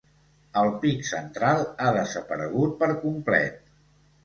El pic central ha desaparegut per complet.